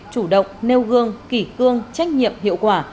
chủ động nêu gương kỷ cương trách nhiệm hiệu quả